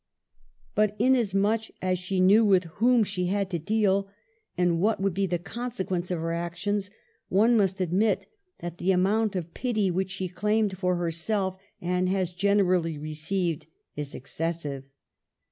But, inasmuch as she knew with whom she had to deal, and what would be the consequence of her actions, one must admit that the amount of pity which she claimed for herself, and has generally received, is excessive.